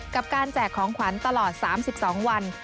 กับการแจกของขวัญตลอด๓๒วัน